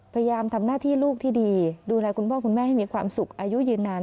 พยายามทำหน้าที่ลูกที่ดีดูแลคุณพ่อคุณแม่ให้มีความสุขอายุยืนนาน